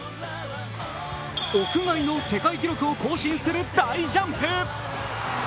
屋外の世界記録を更新する大ジャンプ。